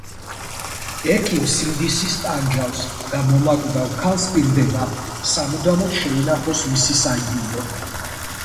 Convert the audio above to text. ექიმს სინდისი სტანჯავს და მომაკვდავ ქალს ჰპირდება სამუდამოდ შეინახოს მისი საიდუმლო.